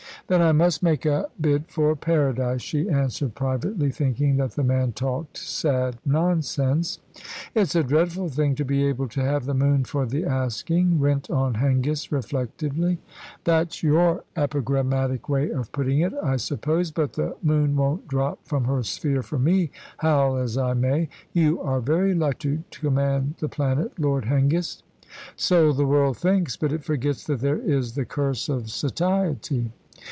"Then I must make a bid for Paradise," she answered, privately thinking that the man talked sad nonsense. "It's a dreadful thing to be able to have the moon for the asking," went on Hengist, reflectively. "That's your epigrammatic way of putting it, I suppose; but the moon won't drop from her sphere for me, howl as I may. You are very lucky to command the planet, Lord Hengist." "So the world thinks, but it forgets that there is the curse of satiety."